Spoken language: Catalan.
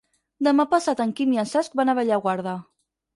Demà passat en Quim i en Cesc van a Bellaguarda.